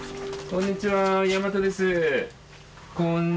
こんにちは。